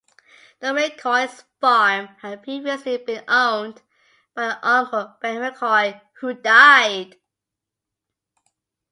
The McCoys' farm had previously been owned by an uncle, Ben McCoy, who died.